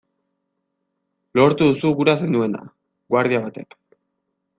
Lortu duzu gura zenuena!, guardia batek.